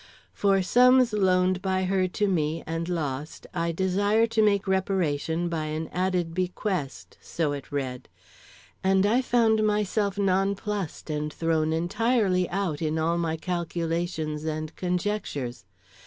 "For sums loaned by her to me and lost, I desire to make reparation by an added bequest " so it read; and I found myself nonplussed and thrown entirely out in all my calculations and conjectures.